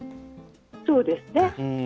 そうですね。